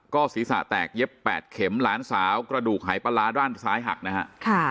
ก็ศีรษะแตกเย็บ๘เข็มหลานสาวกระดูกหายปลาร้าด้านซ้ายหักนะฮะ